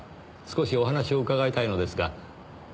少しお話を伺いたいのですが。